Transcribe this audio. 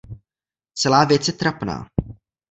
Celá věc je trapná.